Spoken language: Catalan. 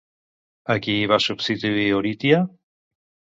A qui va substituir Oritia?